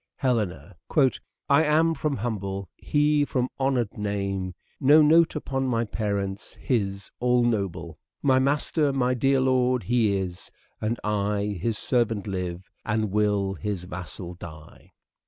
Helena :" 1 am from humble, he from honour 'd name ; No note upon my parents, his all noble ; My master, my dear lord he is ; and I His servant live, and will his vassal die."